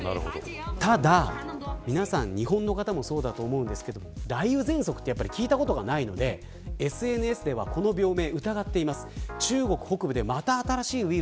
ただ、皆さん日本の方もそうだと思うんですが雷雨ぜんそくって聞いたことがないのでＳＮＳでは「キュキュット」油汚れ